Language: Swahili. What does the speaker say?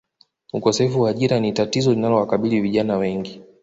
Ukosefu wa ajira ni tatizo linalowakabili vijana wengi